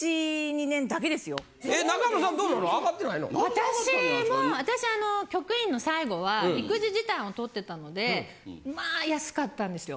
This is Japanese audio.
私も私局員の最後は育児時短をとってたのでまあ安かったんですよ